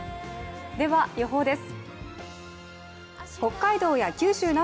では予報です。